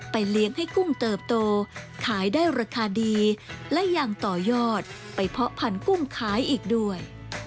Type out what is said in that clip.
เลี้ยงให้กุ้งเติบโตขายได้ราคาดีและยังต่อยอดไปเพาะพันธุ์กุ้งขายอีกด้วย